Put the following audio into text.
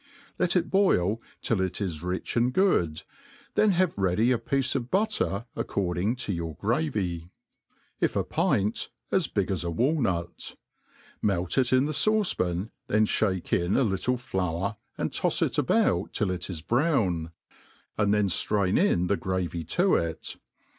Let it boil till it is rich and good, then have ready a piece of butter, according to your gravy ; if a pint, as big as a walnut. Melt it in the fauce pan, then (hake in a little flour, and tofs it about till it is brown, and then ftrain in the gravy to it.